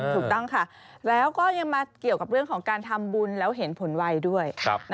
ถูกต้องค่ะแล้วก็ยังมาเกี่ยวกับเรื่องของการทำบุญแล้วเห็นผลไวด้วย